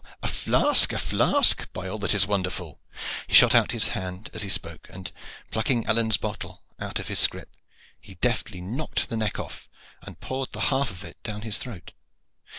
A flask, a flask! by all that is wonderful!" He shot out his hand as he spoke, and plucking Alleyne's bottle out of his scrip, he deftly knocked the neck off, and poured the half of it down his throat.